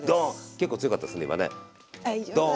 結構強かったですね今ね。